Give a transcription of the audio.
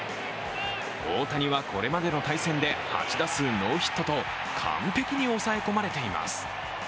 大谷は、これまでの対戦で８打数ノーヒットと完璧に抑えこまれています。